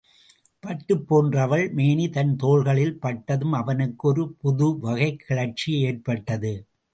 பட்டுப் போன்ற அவள் மேனி தன் தோள்களில் பட்டதும் அவனுக்கு ஒரு புது வகைக் கிளர்ச்சி ஏற்பட்டது.